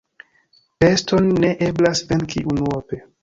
Peston ne eblas venki unuope.